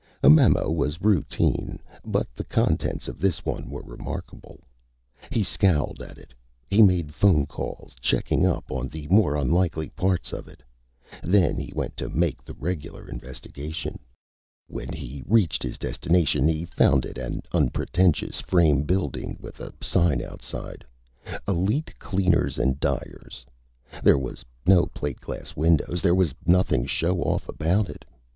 A memo was routine, but the contents of this one were remarkable. He scowled at it. He made phone calls, checking up on the more unlikely parts of it. Then he went to make the regular investigation. When he reached his destination he found it an unpretentious frame building with a sign outside: "Elite Cleaners and Dyers." There were no plate glass windows. There was nothing show off about it.